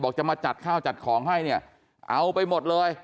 จะมาจัดข้าวจัดของให้เนี่ยเอาไปหมดเลย